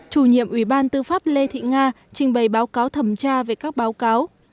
chủ nhiệm ủy ban tư pháp lê thị nga trình bày báo cáo thẩm tra về các báo cáo